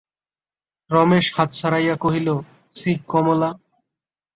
রমেশ হাত ছাড়াইয়া কহিল, ছি কমলা!